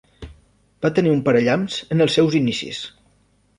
Va tenir un parallamps en els seus inicis.